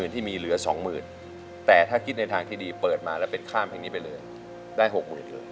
ที่มีเหลือ๒๐๐๐แต่ถ้าคิดในทางที่ดีเปิดมาแล้วเป็นข้ามเพลงนี้ไปเลยได้๖๐๐๐เลย